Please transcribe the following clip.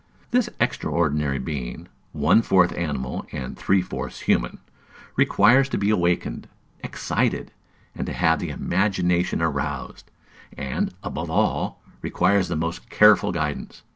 This extraordinary being, "one fourth animal and three fourths human," requires to be awakened, excited, and to have the imagination aroused; and, above all, requires the most careful guidance.